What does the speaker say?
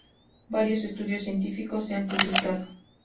Varios estudios científicos se han publicado